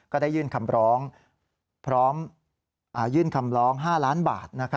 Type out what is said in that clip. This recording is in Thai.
ก็ได้ยื่นคำร้อง๕ล้านบาท